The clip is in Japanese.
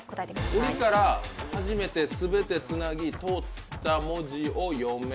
おりから始めて全てつなぎ通った文字を読め。